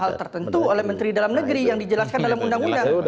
hal tertentu oleh menteri dalam negeri yang dijelaskan dalam undang undang